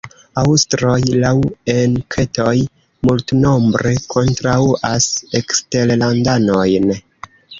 Aŭstroj, laŭ enketoj, multnombre kontraŭas eksterlandanojn.